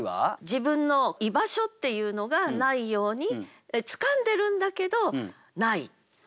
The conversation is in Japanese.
自分の居場所っていうのがないように掴んでるんだけどない。